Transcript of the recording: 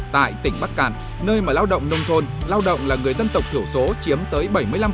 tại tỉnh bắc cạn nơi mà lao động nông thôn lao động là người dân tộc thiểu số chiếm tới bảy mươi năm